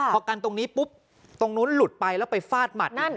พอกันตรงนี้ปุ๊บตรงนู้นหลุดไปแล้วไปฟาดหมัด